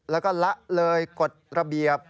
แล้วก็ละเลยกฎระเบียบ